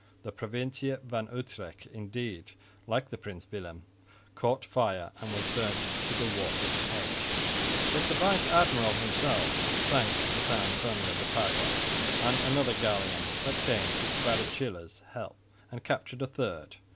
The Provintie van Utrecht indeed, like the Prins Willem, caught fire and was burnt to the water's edge; but the vice admiral himself sank the St Antonio de Padua and another galleon that came to Vallecilla's help, and captured a third.